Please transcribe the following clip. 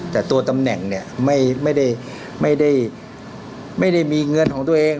แต่ตัวตำแหน่งเนี่ยไม่ได้มีเงินของตัวเอง